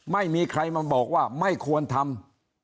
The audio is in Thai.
ไม่มีใครมาบอกว่าไม่ควรทำ